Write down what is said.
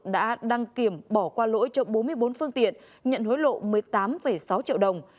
đã đăng kiểm bỏ qua lỗi cho bốn mươi bốn phương tiện nhận hối lộ một mươi tám sáu triệu đồng